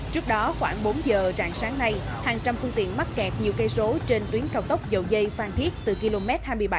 trước đó khoảng bốn giờ trạng sáng nay hàng trăm phương tiện mắc kẹt nhiều cây số trên tuyến cao tốc dầu dây phan thiết từ km hai mươi bảy